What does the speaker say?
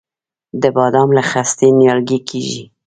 د بادام له خستې نیالګی کیږي؟